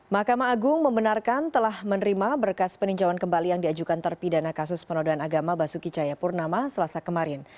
mahkamah agung membenarkan telah menerima berkas peninjauan kembali yang diajukan terpidana kasus penodaan agama basuki cahayapurnama selasa kemarin